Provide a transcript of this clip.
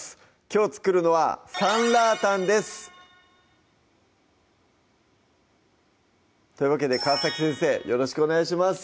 きょう作るのは「酸辣湯」ですというわけで川先生よろしくお願いします